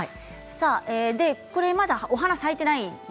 これはまだお花が咲いていません